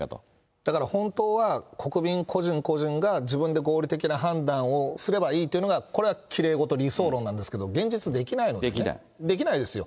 だから本当は、国民個人個人が自分で合理的な判断をすればいいっていうのが、これはきれいごと、理想論なんですけど、現実できないんで、できないんですよ。